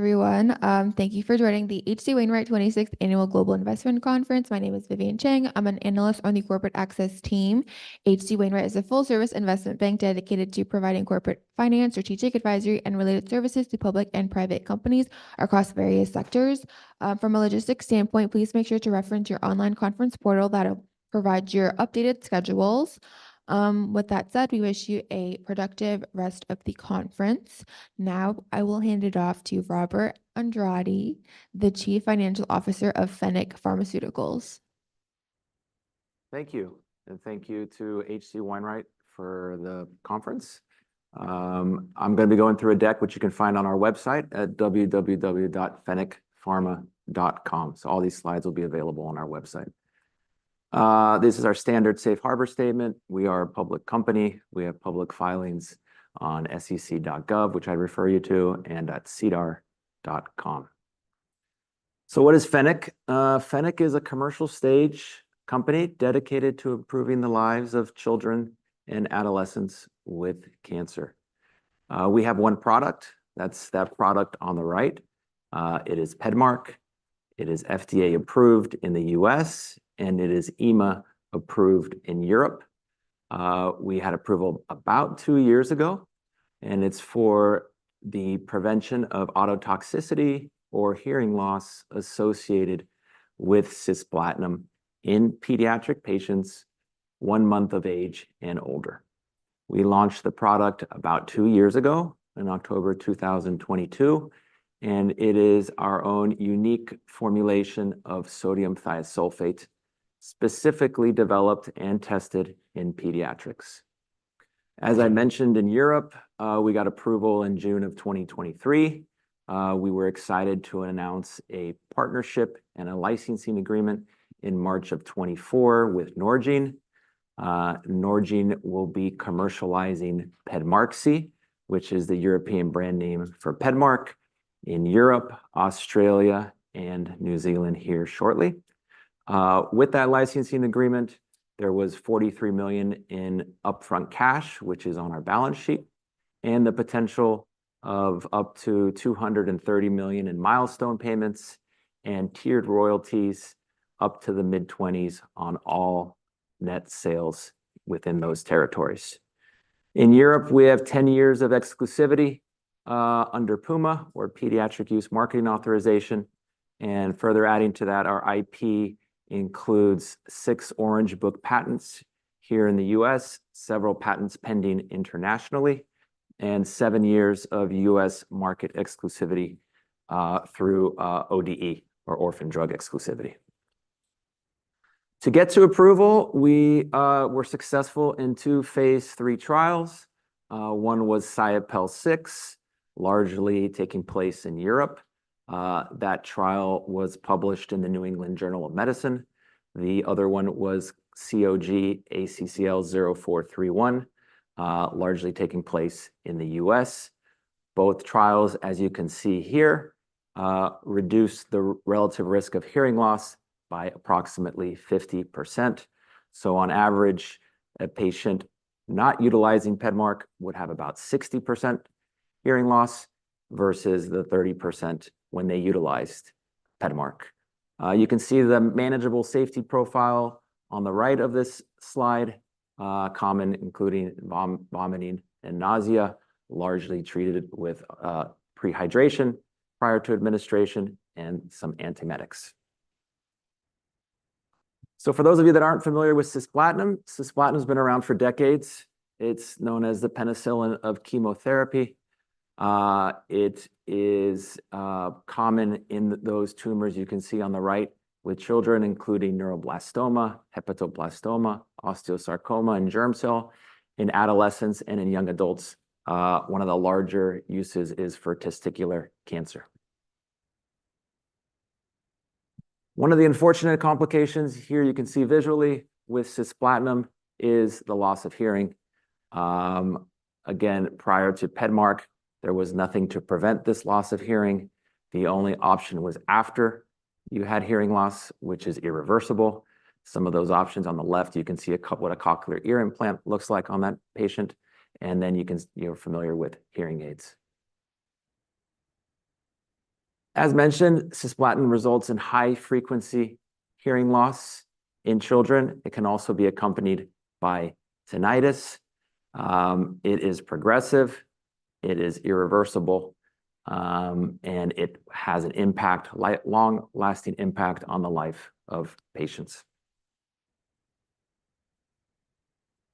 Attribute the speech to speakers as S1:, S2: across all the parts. S1: Hi, everyone. Thank you for joining the H.C. Wainwright 26th Annual Global Investment Conference. My name is Vivian Chang. I'm an analyst on the corporate access team. H.C. Wainwright is a full-service investment bank dedicated to providing corporate finance, strategic advisory, and related services to public and private companies across various sectors. From a logistics standpoint, please make sure to reference your online conference portal that'll provide your updated schedules. With that said, we wish you a productive rest of the conference. Now, I will hand it off to Robert Andrade, the Chief Financial Officer of Fennec Pharmaceuticals.
S2: Thank you, and thank you to H.C. Wainwright for the conference. I'm gonna be going through a deck, which you can find on our website at www.fennecpharma.com. So all these slides will be available on our website. This is our standard safe harbor statement. We are a public company. We have public filings on sec.gov, which I refer you to, and at sedar.com. So what is Fennec? Fennec is a commercial-stage company dedicated to improving the lives of children and adolescents with cancer. We have one product. That's that product on the right. It is Pedmark, it is FDA approved in the U.S., and it is EMA approved in Europe. We had approval about two years ago, and it's for the prevention of ototoxicity or hearing loss associated with cisplatin in pediatric patients one month of age and older. We launched the product about two years ago, in October 2022, and it is our own unique formulation of sodium thiosulfate, specifically developed and tested in pediatrics. As I mentioned, in Europe, we got approval in June 2023. We were excited to announce a partnership and a licensing agreement in March 2024 with Norgine. Norgine will be commercializing Pedmarqsi, which is the European brand name for Pedmark, in Europe, Australia, and New Zealand here shortly. With that licensing agreement, there was $43 million in upfront cash, which is on our balance sheet, and the potential of up to $230 million in milestone payments and tiered royalties up to the mid-twenties on all net sales within those territories. In Europe, we have 10 years of exclusivity under PUMA, or Pediatric Use Marketing Authorization. Further adding to that, our IP includes six Orange Book patents here in the U.S., several patents pending internationally, and seven years of U.S. market exclusivity through ODE or Orphan Drug Exclusivity. To get to approval, we were successful in two phase III trials. One was SIOPEL 6, largely taking place in Europe. That trial was published in the New England Journal of Medicine. The other one was COG ACCL0431, largely taking place in the U.S. Both trials, as you can see here, reduced the relative risk of hearing loss by approximately 50%. On average, a patient not utilizing Pedmark would have about 60% hearing loss versus the 30% when they utilized Pedmark. You can see the manageable safety profile on the right of this slide, common, including vomiting and nausea, largely treated with pre-hydration prior to administration and some antiemetics. So for those of you that aren't familiar with cisplatin, cisplatin's been around for decades. It's known as the penicillin of chemotherapy. It is common in those tumors you can see on the right with children, including neuroblastoma, hepatoblastoma, osteosarcoma, and germ cell. In adolescents and in young adults, one of the larger uses is for testicular cancer. One of the unfortunate complications, here you can see visually, with cisplatin is the loss of hearing. Again, prior to Pedmark, there was nothing to prevent this loss of hearing. The only option was after you had hearing loss, which is irreversible. Some of those options on the left, you can see what a cochlear ear implant looks like on that patient, and then you can. You're familiar with hearing aids. As mentioned, cisplatin results in high-frequency hearing loss in children. It can also be accompanied by tinnitus. It is progressive, it is irreversible, and it has a long-lasting impact on the life of patients.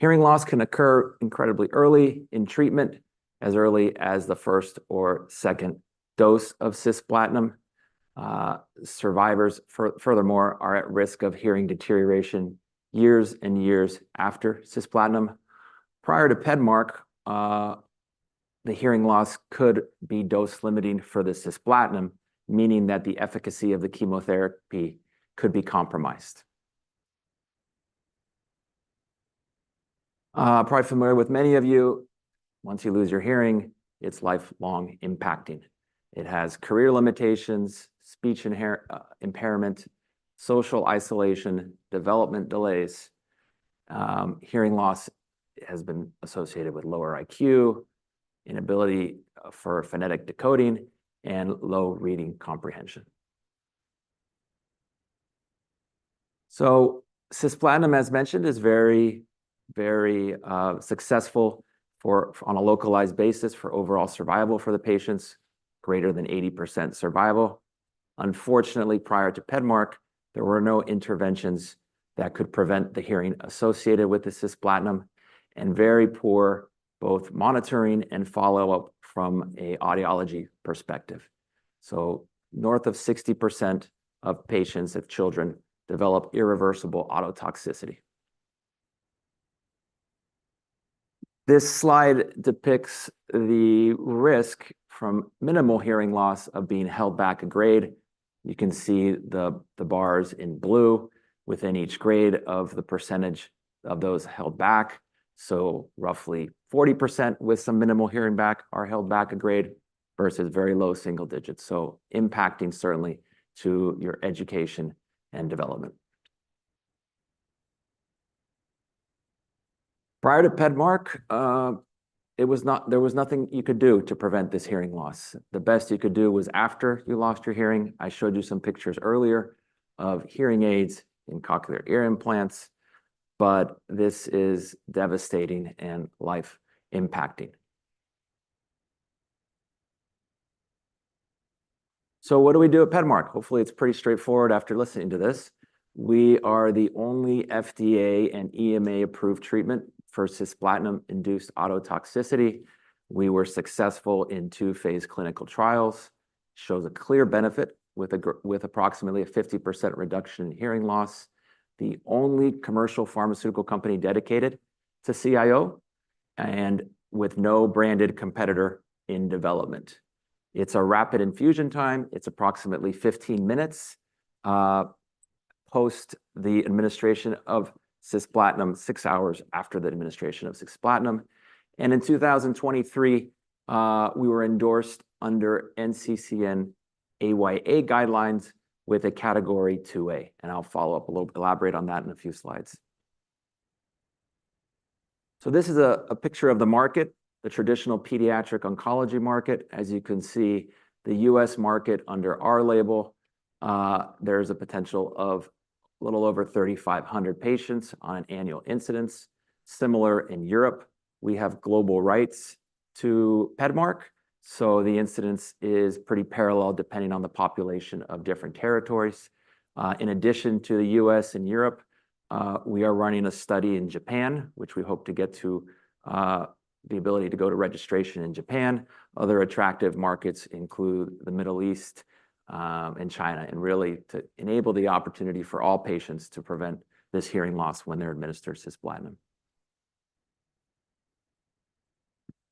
S2: Hearing loss can occur incredibly early in treatment, as early as the first or second dose of cisplatin. Survivors, furthermore, are at risk of hearing deterioration years and years after cisplatin. Prior to Pedmark, the hearing loss could be dose-limiting for the cisplatin, meaning that the efficacy of the chemotherapy could be compromised. Probably familiar with many of you, once you lose your hearing, it's lifelong impacting. It has career limitations, speech impairment, social isolation, development delays. Hearing loss has been associated with lower IQ, inability for phonetic decoding, and low reading comprehension. cisplatin, as mentioned, is very, very successful, on a localized basis, for overall survival for the patients, greater than 80% survival. Unfortunately, prior to Pedmark, there were no interventions that could prevent the hearing associated with the cisplatin, and very poor, both monitoring and follow-up from an audiology perspective. North of 60% of patients, of children, develop irreversible ototoxicity. This slide depicts the risk from minimal hearing loss of being held back a grade. You can see the bars in blue within each grade of the percentage of those held back. Roughly 40% with some minimal hearing back are held back a grade, versus very low single digits. So impacting, certainly, to your education and development. Prior to Pedmark, it was not... there was nothing you could do to prevent this hearing loss. The best you could do was after you lost your hearing. I showed you some pictures earlier of hearing aids and cochlear ear implants, but this is devastating and life-impacting. So what do we do at Pedmark? Hopefully, it's pretty straightforward after listening to this. We are the only FDA and EMA-approved treatment for cisplatin-induced ototoxicity. We were successful in two-phase clinical trials. Shows a clear benefit with approximately a 50% reduction in hearing loss. The only commercial pharmaceutical company dedicated to CIO, and with no branded competitor in development. It's a rapid infusion time. It's approximately 15 minutes post the administration of cisplatin, six hours after the administration of cisplatin. And in 2023, we were endorsed under NCCN AYA guidelines with a Category 2A, and I'll follow up, elaborate on that in a few slides. So this is a picture of the market, the traditional pediatric oncology market. As you can see, the U.S. market under our label, there is a potential of a little over 3,500 patients on an annual incidence. Similar in Europe, we have global rights to Pedmark, so the incidence is pretty parallel, depending on the population of different territories. In addition to the U.S. and Europe, we are running a study in Japan, which we hope to get to, the ability to go to registration in Japan. Other attractive markets include the Middle East, and China, and really to enable the opportunity for all patients to prevent this hearing loss when they're administered cisplatin.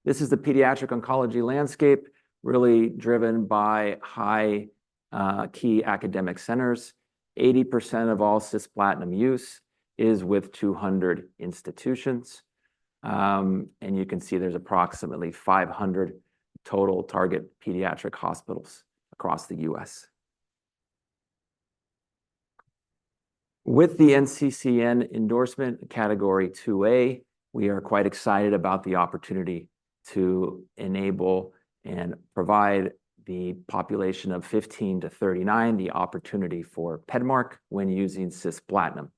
S2: This is the pediatric oncology landscape, really driven by high, key academic centers. 80% of all cisplatin use is with 200 institutions, and you can see there's approximately 500 total target pediatric hospitals across the U.S. With the NCCN endorsement Category 2A, we are quite excited about the opportunity to enable and provide the population of 15 to 39 the opportunity for Pedmark when using cisplatin.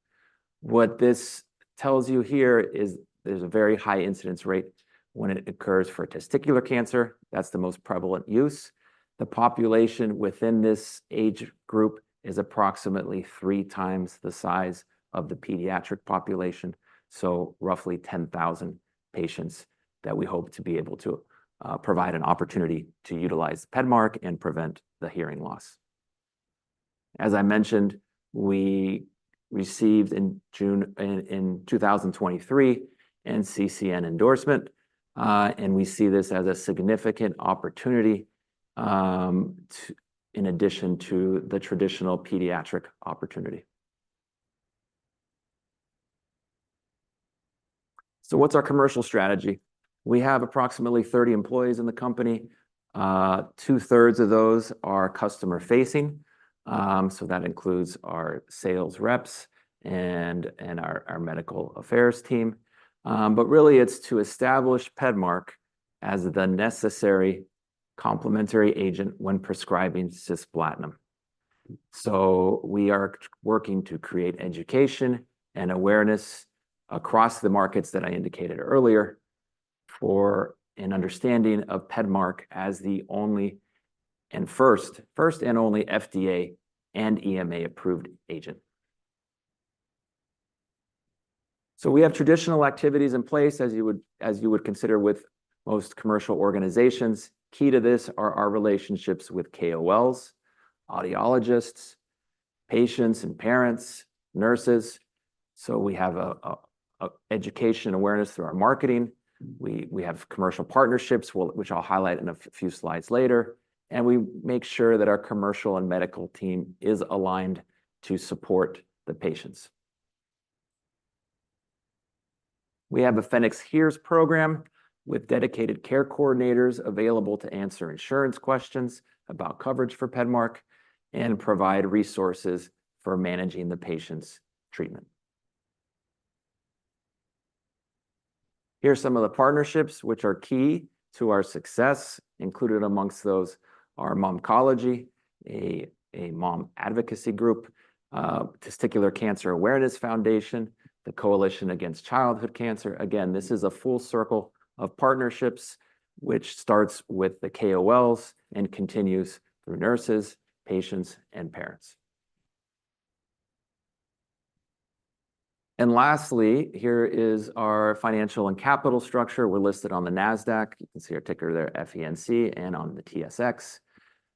S2: What this tells you here is there's a very high incidence rate when it occurs for testicular cancer. That's the most prevalent use. The population within this age group is approximately three times the size of the pediatric population, so roughly 10,000 patients that we hope to be able to provide an opportunity to utilize Pedmark and prevent the hearing loss. As I mentioned, we received in June 2023 NCCN endorsement, and we see this as a significant opportunity in addition to the traditional pediatric opportunity. So what's our commercial strategy? We have approximately thirty employees in the company. 2/3 of those are customer-facing. So that includes our sales reps and our medical affairs team. But really, it's to establish Pedmark as the necessary complementary agent when prescribing cisplatin. So we are working to create education and awareness across the markets that I indicated earlier, for an understanding of Pedmark as the first and only FDA and EMA-approved agent. So we have traditional activities in place, as you would consider with most commercial organizations. Key to this are our relationships with KOLs, audiologists, patients and parents, nurses. So we have education awareness through our marketing. We have commercial partnerships, which I'll highlight in a few slides later, and we make sure that our commercial and medical team is aligned to support the patients. We have a Fennec HEARS program with dedicated care coordinators available to answer insurance questions about coverage for Pedmark and provide resources for managing the patient's treatment. Here are some of the partnerships which are key to our success. Included amongst those are Momcology, a mom advocacy group, Testicular Cancer Awareness Foundation, the Coalition Against Childhood Cancer. Again, this is a full circle of partnerships, which starts with the KOLs and continues through nurses, patients, and parents. And lastly, here is our financial and capital structure. We're listed on the Nasdaq. You can see our ticker there, FENC, and on the TSX.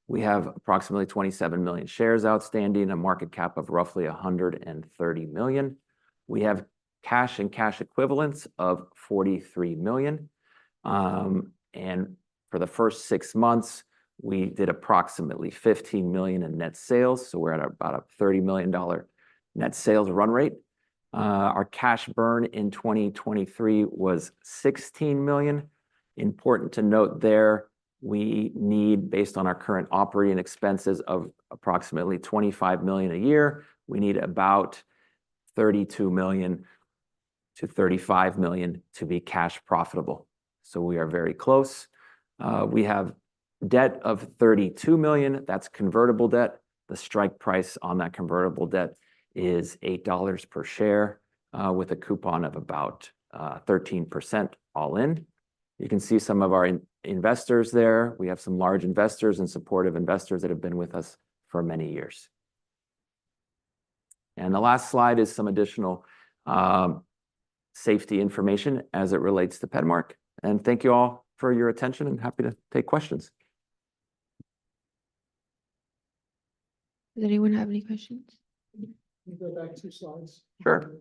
S2: We have approximately 27 million shares outstanding, a market cap of roughly $130 million. We have cash and cash equivalents of $43 million. And for the first six months, we did approximately $15 million in net sales, so we're at about a $30 million net sales run rate. Our cash burn in 2023 was $16 million. Important to note there, we need, based on our current operating expenses of approximately $25 million a year, we need about $32 million-$35 million to be cash profitable, so we are very close. We have debt of $32 million. That's convertible debt. The strike price on that convertible debt is $8 per share, with a coupon of about 13% all in. You can see some of our investors there. We have some large investors and supportive investors that have been with us for many years. The last slide is some additional safety information as it relates to Pedmark, and thank you all for your attention, and happy to take questions.
S1: Does anyone have any questions?
S2: Can you go back two slides? Sure.